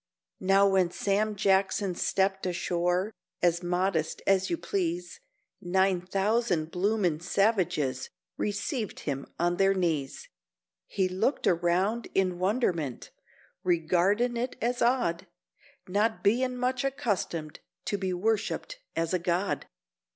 Now when Sam Jackson stept ashore, as modest as you please, Nine thousand bloomin' savages received him on their knees; He looked around in wonderment, regardin' it as odd, Not bein' much accustomed to be worshipped as a god.